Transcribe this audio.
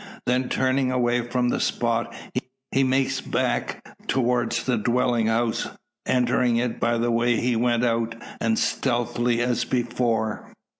Then turning away from the spot, he makes back towards the dwelling house, entering it by the way he went out, and stealthily as before.